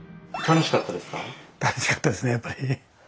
楽しかったですねやっぱり。